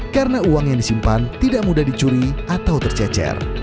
karena uang yang disimpan tidak mudah dicuri atau tercecer